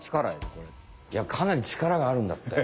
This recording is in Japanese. いやかなり力があるんだって。